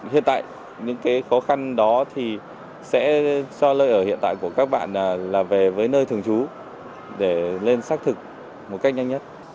hiện tại những cái khó khăn đó thì sẽ cho lợi ở hiện tại của các bạn là về với nơi thường trú để lên xác thực một cách nhanh nhất